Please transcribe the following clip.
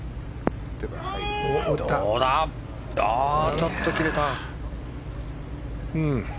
ちょっと切れた。